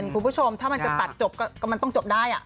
คุณผู้ชมถ้ามันจะตัดจบก็มันต้องจบได้